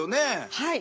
はい。